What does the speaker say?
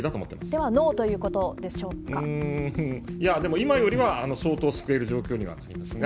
では、いや、でも今よりは相当救える状況にはなりますが。